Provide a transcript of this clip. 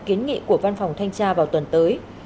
kiến nghị của văn phòng thanh tra vào tuần tới